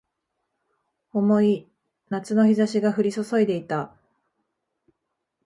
重い夏の日差しが降り注いでいた